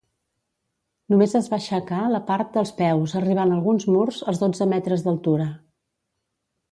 Només es va aixecar la part dels peus arribant alguns murs als dotze metres d'altura.